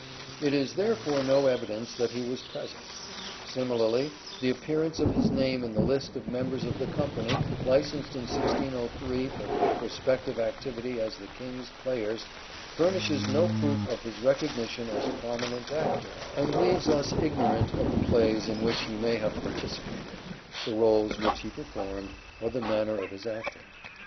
It is therefore no evidence that he was present. Similarly the appearance of his name in the list of members of the company licensed in 1603 for prospective activity as the King's players furnishes no proof of his recognition as a prominent actor, and leaves us ignorant of the plays in which he may have participated, the roles which he performed, or the manner of his acting.